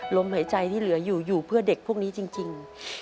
ลมหายใจที่เหลืออยู่อยู่เพื่อเด็กพวกนี้จริง